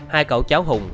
hai cậu cháu hùng